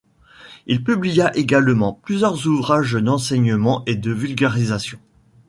Il publia également plusieurs ouvrages d'enseignement et de vulgarisation.